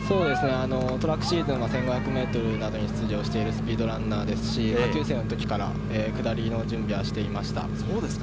トラックシーズンは１５００ｍなどに出場しているスピードランナーですし、下級生の時から下りの準備はしていました。